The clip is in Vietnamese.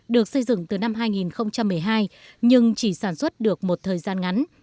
được xây dựng từ năm hai nghìn một mươi hai nhưng chỉ sản xuất được một thời gian ngắn